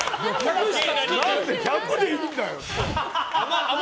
１００でいいんだよ。